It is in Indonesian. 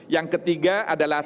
yang ketiga adalah